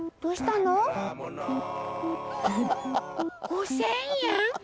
５０００円？